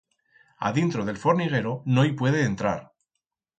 Adintro d'el forniguero no i puede entrar.